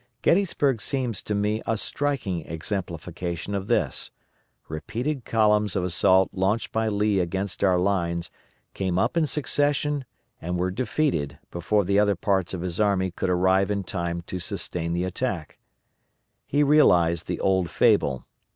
Gettysburg seems to me a striking exemplification of this; repeated columns of assault launched by Lee against our lines came up in succession and were defeated before the other parts of his army could arrive in time to sustain the attack. He realized the old fable.